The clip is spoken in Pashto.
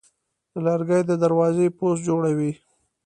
لرګی د دروازې پوست جوړوي.